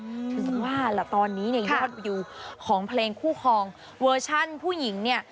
รู้สึกว่าตอนนี้ยอดวิวของเพลงคู่คองเวอร์ชันผู้หญิงเนี่ย